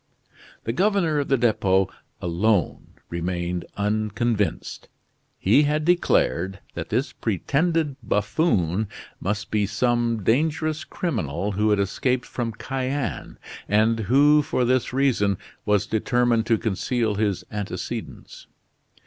The governor of the Depot alone remained unconvinced. He had declared that this pretended buffoon must be some dangerous criminal who had escaped from Cayenne, and who for this reason was determined to conceal his antecedents.